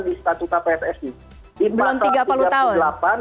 di statuta pssi belum tiga puluh tahun